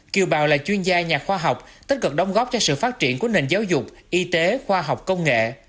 kiều bào là chuyên gia nhà khoa học tích cực đóng góp cho sự phát triển của nền giáo dục y tế khoa học công nghệ